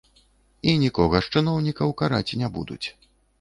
І нікога з чыноўнікаў караць не будуць.